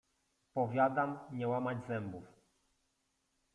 Powiadam, nie łamać zębów!